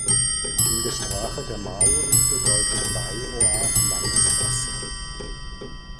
In der Sprache der Maori bedeutet "Wairoa" "langes Wasser".